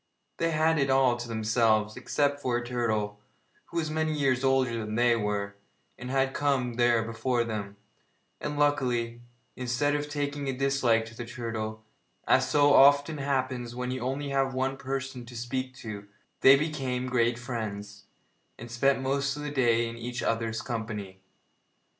They had it all to themselves, except for a turtle, who was many years older than they were, and had come there before them, and, luckily, instead of taking a dislike to the turtle, as so often happens when you have only one person to speak to, they became great friends, and spent most of the day in each other's company.